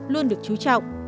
luôn được chú trọng